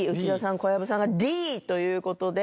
小籔さんがＤということで。